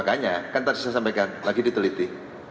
makanya kan tadi saya sampaikan lagi diteliti